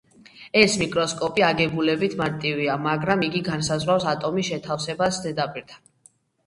ეს მიკროსკოპი აგებულებით მარტივია, მაგრამ იგი განსაზღვრავს ატომის შეთავსებას ზედაპირთან.